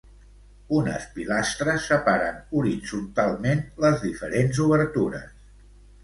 Unes pilastres separen horitzontalment les diferents obertures.